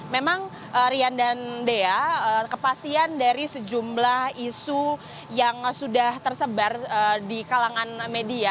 memang rian dan dea kepastian dari sejumlah isu yang sudah tersebar di kalangan media